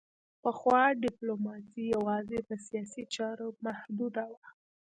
پخوا ډیپلوماسي یوازې په سیاسي چارو محدوده وه